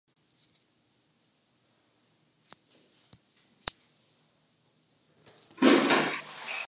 اور کپتان کا سب سے برا جرم" میچ کو فنش نہ کرنا ہے